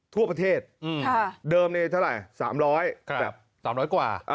ทั่วประเทศเดิมนี้เท่าไหร่๓๐๐กว่า